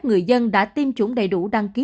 người dân đã tiêm chủng đầy đủ đăng ký